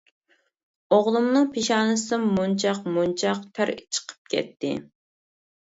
ئوغلۇمنىڭ پېشانىسىدىن مونچاق-مونچاق تەر چىقىپ كەتتى.